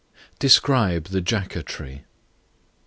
Describe the Jaca Tree.